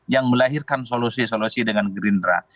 yang melahirkan solusi solusi dengan gerindra